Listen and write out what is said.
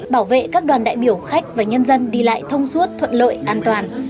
bảo vệ các đoàn đại biểu khách và nhân dân đi lại thông suốt thuận lợi an toàn